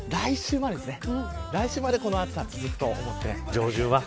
来週までこの暑さ続くと思って。